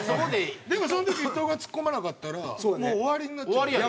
でもその時伊藤がツッコまなかったらもう終わりになっちゃうんだよ。